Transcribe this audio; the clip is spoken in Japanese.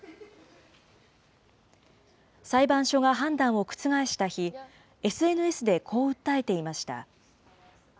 裁判所が判断を覆した日、ＳＮＳでこう訴えていました。